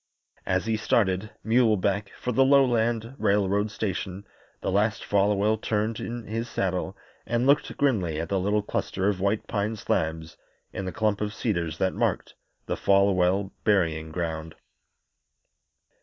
As he started, muleback, for the lowland railroad station the last Folwell turned in his saddle and looked grimly at the little cluster of white pine slabs in the clump of cedars that marked the Folwell burying ground.